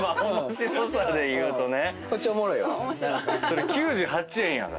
それ９８円やから。